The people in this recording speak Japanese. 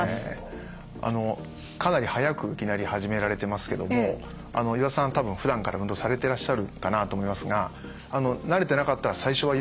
あのかなり速くいきなり始められてますけども岩田さん多分ふだんから運動されていらっしゃるかなと思いますが慣れてなかったら最初はゆっくりでもペースいいですからね。